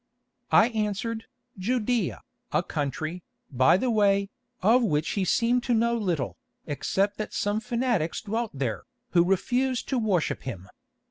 "I answered, 'Judæa,' a country, by the way, of which he seemed to know little, except that some fanatics dwelt there, who refused to worship him.